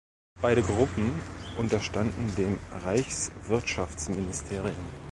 Beide Gruppen unterstanden dem Reichswirtschaftsministerium.